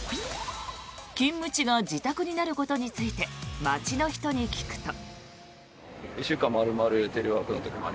勤務地が自宅になることについて街の人に聞くと。